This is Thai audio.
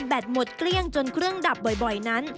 หมดเกลี้ยงจนเครื่องดับบ่อยนั้น